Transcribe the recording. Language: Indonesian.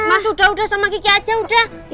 mas udah udah sama kiki aja udah